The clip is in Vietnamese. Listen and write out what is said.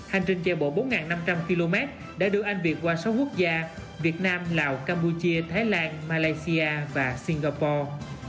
hành trình chạy bộ bốn năm trăm linh km đã đưa anh việt qua sáu quốc gia việt nam lào campuchia thái lan malaysia và singapore